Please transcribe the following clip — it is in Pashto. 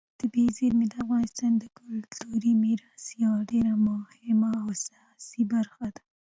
طبیعي زیرمې د افغانستان د کلتوري میراث یوه ډېره مهمه او اساسي برخه ده.